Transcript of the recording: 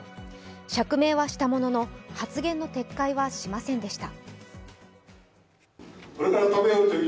釈明はしたものの発言の撤回はしませんでした。